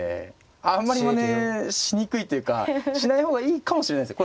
あんまりまねしにくいというかしない方がいいかもしれないですね。